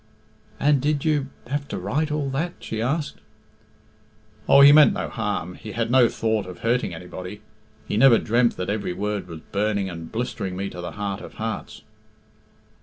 "And did you have to write all that?" she asked. "Oh, he meant no harm. He had no thought of hurting anybody! He never dreamt that every word was burning and blistering me to the heart of hearts."